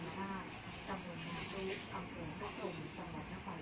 อันดับหนังคือสุขภาพเพื่อสังเกิดการดูแลสุขภาพตัวเองของผู้ปกครั้ง